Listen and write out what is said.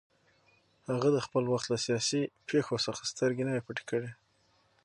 هغه د خپل وخت له سیاسي پېښو څخه سترګې نه وې پټې کړې